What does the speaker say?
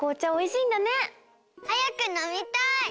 はやくのみたい！